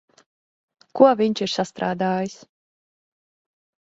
Ko viņš ir sastrādājis?